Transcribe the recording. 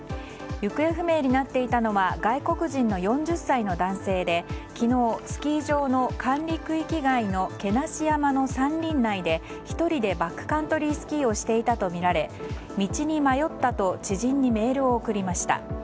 行方不明になっていたのは外国人の４０歳の男性で昨日、スキー場の管理区域外の毛無山の山林内で１人でバックカントリースキーをしていたとみられ道に迷ったと知人にメールを送りました。